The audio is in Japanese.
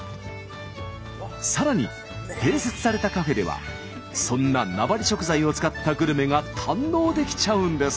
さらに併設されたカフェではそんな名張食材を使ったグルメが堪能できちゃうんです！